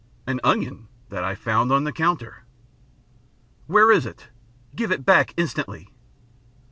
"An onion that I found on the counter." "Where is it? Give it back instantly!"